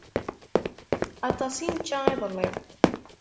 Aṭas i nečča iḍelli.